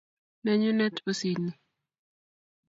Nenyunet pusit ni.